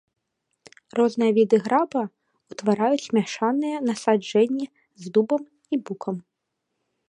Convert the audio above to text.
Розныя віды граба утвараюць мяшаныя насаджэнні з дубам і букам.